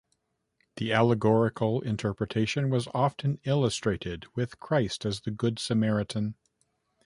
The allegorical interpretation was often illustrated, with Christ as the Good Samaritan.